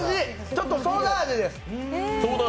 ちょっとソーダ味です。